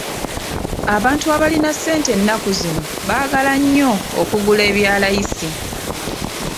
Abantu abalina ssente ennaku zino baagala nnyo okugula ebya layisi.